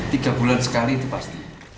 tiga bulan sekali itu pasti